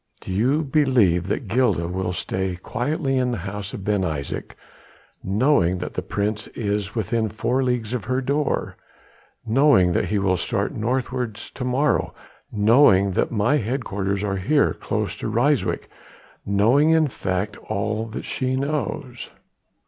"Do you believe then that Gilda will stay quietly in the house of Ben Isaje, knowing that the Prince is within four leagues of her door?... knowing that he will start northwards to morrow ... knowing that my headquarters are here close to Ryswyk ... knowing in fact all that she knows?"